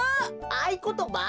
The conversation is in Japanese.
あいことば？